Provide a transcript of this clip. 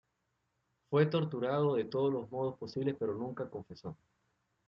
Fue torturado de todos los modos posibles pero nunca confesó.